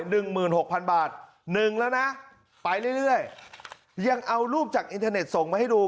หนึ่งหมื่นหกพันบาทหนึ่งแล้วนะไปเรื่อยเรื่อยยังเอารูปจากอินเทอร์เน็ตส่งมาให้ดู